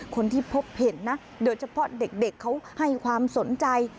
คนที่พบเห็นนะโดยเฉพาะเด็กเขาให้ความสนใจ